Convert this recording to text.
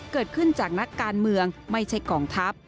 เกิดขึ้นจากนักการเมืองไม่ใช่กองทัพ